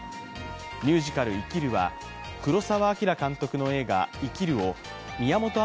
ミュージカル「生きる」は黒澤明監督の映画「生きる」を宮本亞